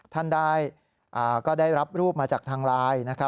ท่านได้รับรูปมาจากทางไลน์นะครับ